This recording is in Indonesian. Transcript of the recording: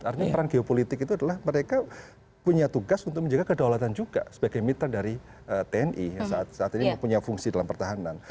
artinya peran geopolitik itu adalah mereka punya tugas untuk menjaga kedaulatan juga sebagai mitra dari tni saat ini mempunyai fungsi dalam pertahanan